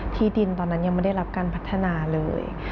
ที่ดินตอนนั้นยังไม่ได้รับการพัฒนาเลย